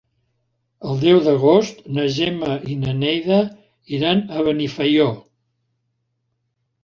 El deu d'agost na Gemma i na Neida iran a Benifaió.